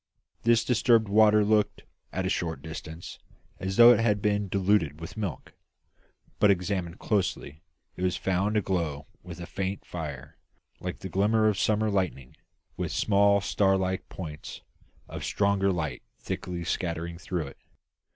This disturbed water looked, at a short distance, as though it had been diluted with milk; but, examined closely, it was found to glow with a faint fire, like the glimmer of summer lightning, with small star like points of stronger light thickly scattered through it.